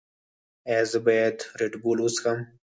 ایا زه باید ردبول وڅښم؟